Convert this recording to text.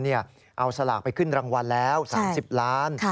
เอาสลากไปขึ้นรางวัลแล้ว๓๐ล้าน